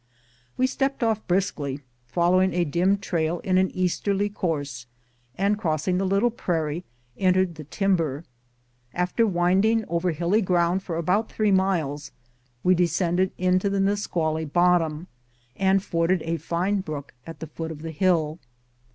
We stepped off briskly, following a dim trail in an east erly course, and crossing the little prairie entered the tim ber. After winding over hilly ground for about three miles, we descended into the Nisqually bottom and forded a fine brook at the foot of the hill.